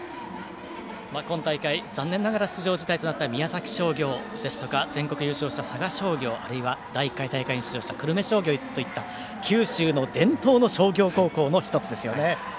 今大会、残念ながら出場辞退となった宮崎商業ですとか全国優勝した佐賀商業あるいは、第１回大会に出場した久留米商業といった九州の伝統の商業高校の１つですよね。